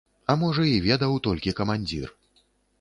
А можа, і ведаў толькі камандзір.